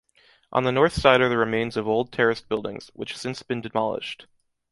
On the north side are the remains of old terraced buildings, which since been demolished.